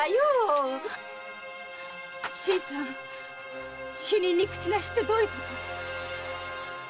新さん「死人に口なし」ってどういうこと？